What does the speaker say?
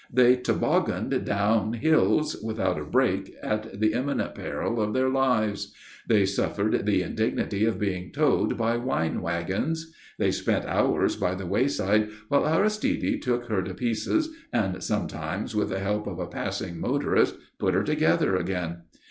They tobogganed down hills without a brake at the imminent peril of their lives. They suffered the indignity of being towed by wine wagons. They spent hours by the wayside while Aristide took her to pieces and, sometimes with the help of a passing motorist, put her together again.